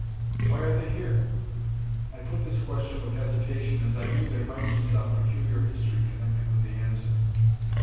"Why are they here?" I put this question with hesitation, as I knew there might be some peculiar history connected with the answer.